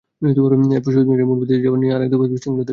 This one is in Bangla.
এরপর শহীদ মিনারের মূল বেদিতে যাওয়া নিয়ে আরেক দফা বিশৃঙ্খলা তৈরি হয়।